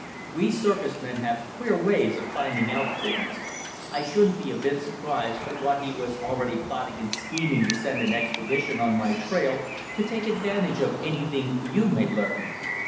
We circus men have queer ways of finding out things. I shouldn't be a bit surprised but what he was already plotting and scheming to send an expedition on my trail, to take advantage of anything you may learn."